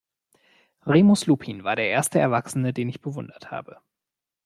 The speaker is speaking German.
Remus Lupin war der erste Erwachsene, den ich bewundert habe.